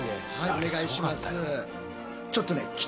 お願いします。